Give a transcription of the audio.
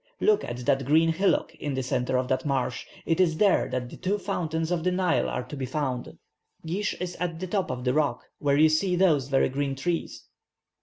Look at that green hillock in the centre of that marsh. It is there that the two fountains of the Nile are to be found. Geesh is at the top of the rock, where you see those very green trees.